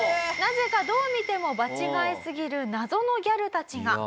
「なぜかどう見ても場違いすぎる謎のギャルたちが」